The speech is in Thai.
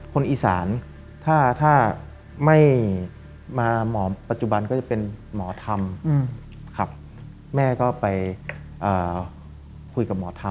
คนอีสานถ้าไม่มาหมอปัจจุบันก็จะเป็นหมอธรรมครับแม่ก็ไปคุยกับหมอธรรม